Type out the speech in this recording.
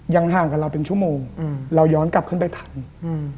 ห่างกับเราเป็นชั่วโมงอืมเราย้อนกลับขึ้นไปทันอืม